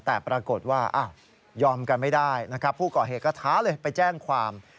แต่ปรากฏว่ายอมกันไม่ได้นะครับผู้ก่อเหตุก็ท้าเลยไปแจ้งความ